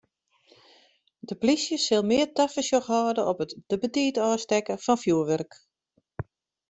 De plysje sil mear tafersjoch hâlde op it te betiid ôfstekken fan fjoerwurk.